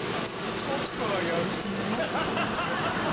サッカーやる気になったか？